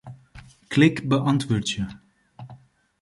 Klik Beäntwurdzje.